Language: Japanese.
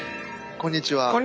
こんにちは。